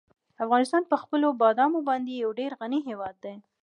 افغانستان په خپلو بادامو باندې یو ډېر غني هېواد دی.